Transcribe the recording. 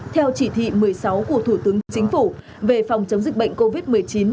theo chỉ thị một mươi sáu của thủ tướng chính phủ về phòng chống dịch bệnh covid một mươi chín